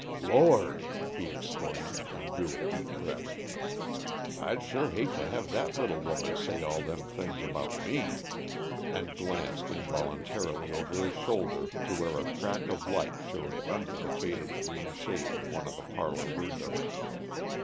"Lord!" he exclaimed, and drew a deep breath. "I'd sure hate to have that little woman say all them things about me!" and glanced involuntarily over his shoulder to where a crack of light showed under the faded green shade of one of the parlor windows.